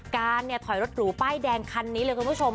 การเนี่ยถอยรถหรูป้ายแดงคันนี้เลยคุณผู้ชม